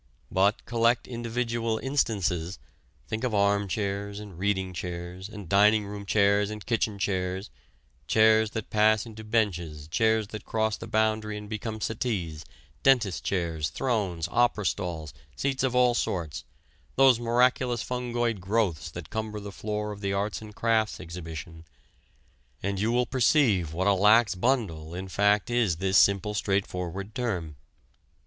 But collect individual instances, think of armchairs and reading chairs, and dining room chairs and kitchen chairs, chairs that pass into benches, chairs that cross the boundary and become settees, dentists' chairs, thrones, opera stalls, seats of all sorts, those miraculous fungoid growths that cumber the floor of the Arts and Crafts Exhibition, and you will perceive what a lax bundle in fact is this simple straightforward term.